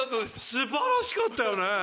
素晴らしかったよね。